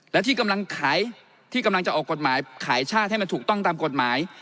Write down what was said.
และที่กำลังขายที่กำลังจะออกกฎหมายขายชาติให้มันถูกต้องตามกฎหมาย